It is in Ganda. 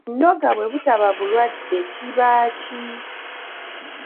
Ennoga bwe butaba bulwadde kiba ki?